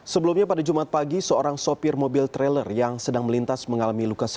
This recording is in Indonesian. sebelumnya pada jumat pagi seorang sopir mobil trailer yang sedang melintas mengalami luka